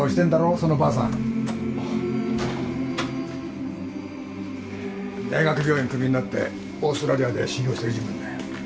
そのバアサン大学病院クビになってオーストラリアで修業してた時分のだよ